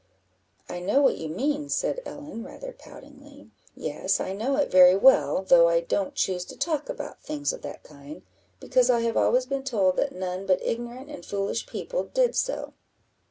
"I know what you mean," said Ellen, rather poutingly; "yes, I know it very well, though I don't choose to talk about things of that kind, because I have always been told that none but ignorant and foolish people did so."